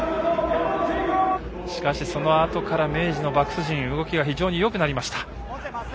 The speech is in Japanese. しかしそのあとから明治のバックス陣動きが非常によくなりました。